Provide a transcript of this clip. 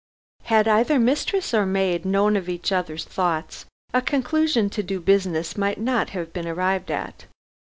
Had either mistress or maid known of each other's thoughts, a conclusion to do business might not have been arrived at.